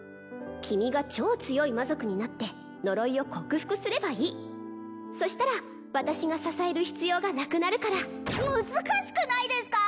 君が超強い魔族になって呪いを克服すればいいそしたら私が支える必要がなくなるから難しくないですか！？